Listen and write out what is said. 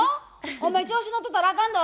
お前調子乗ってたらあかんど。